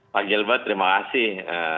pak gilbert terima kasih